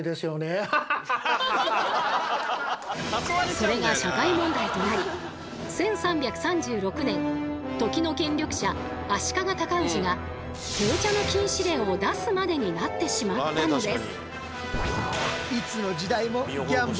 それが社会問題となり１３３６年時の権力者足利尊氏が闘茶の禁止令を出すまでになってしまったのです。